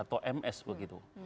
atau ms begitu